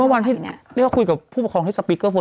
อีกครั้งที่เลือกกับผู้บัคพรองที่สปิกก็สวน